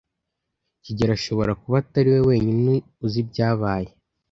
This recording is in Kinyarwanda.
kigeli ashobora kuba atari we wenyine uzi ibyabaye.